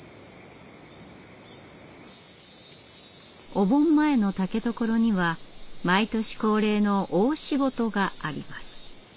お盆前の竹所には毎年恒例の大仕事があります。